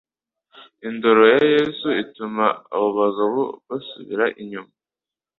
Indoro ya Yesu ituma abo bagabo basubira inyuma.